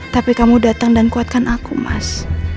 tapi kamu datang dan kuatkan aku mas